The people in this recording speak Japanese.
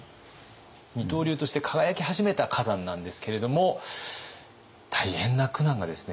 二刀流として輝き始めた崋山なんですけれども大変な苦難がですね